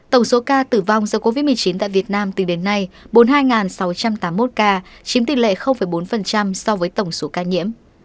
tổng số ca tử vong do covid một mươi chín tại việt nam từ đến nay bốn mươi hai sáu trăm tám mươi một ca chiếm tỷ lệ bốn so với tổng số ca nhiễm